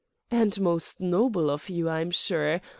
"And most noble of you, I'm sure.